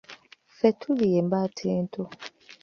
Ffe tuli embaata ento